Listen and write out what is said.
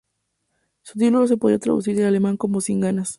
Su título se podría traducir del alemán como "sin ganas".